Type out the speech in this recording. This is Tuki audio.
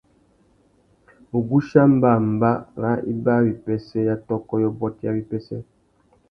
Wuguchia mbămbá râ ibāwipêssê ya tôkô yôbôt ya wipêssê.